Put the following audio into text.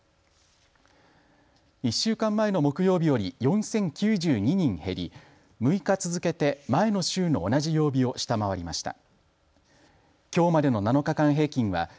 １週間前の木曜日より４０９２人減り６日続けて前の週の同じ曜日を下回りました。